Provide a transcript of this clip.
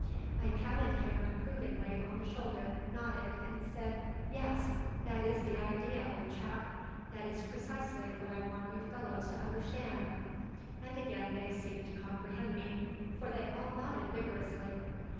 I patted him approvingly on the shoulder, nodded, and said: "Yes, that is the idea, old chap; that is precisely what I want you fellows to understand," and again they seemed to comprehend me, for they all nodded vigorously.